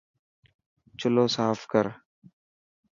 چلو صاف ڪر.